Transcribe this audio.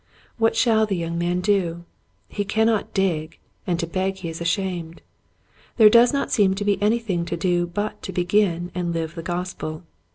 What shall the young man do } He cannot dig and to beg he is ashamed. There does not seem to be anything to do but to begin and live the gospel.